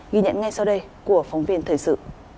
ghi nhận ngay sau đây của phóng viên thời sự